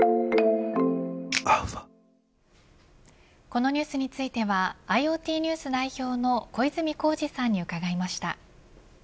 このニュースについてはＩｏＴニュース代表の小泉耕二さんに伺いました。